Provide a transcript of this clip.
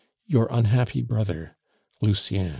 "Your unhappy brother, "Lucien."